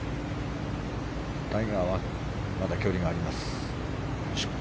タイガーはまだ距離があります。